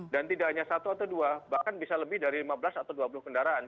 dan tidak hanya satu atau dua bahkan bisa lebih dari lima belas atau dua puluh kendaraan